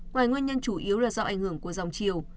ngoài nguyên nhân chủ yếu là do ảnh hưởng của dòng chiều